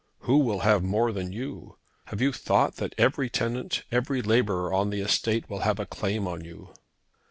"Who will have more than you? Have you thought that every tenant, every labourer on the estate will have a claim on you?"